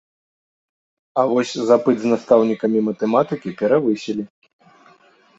А вось запыт з настаўнікамі матэматыкі перавысілі.